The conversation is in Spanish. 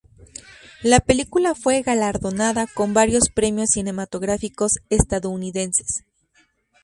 La película fue galardonada con varios premios cinematográficos estadounidenses.